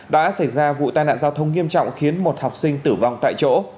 đã xảy ra vụ tai nạn giao thông nghiêm trọng khiến một học sinh tử vong tại chỗ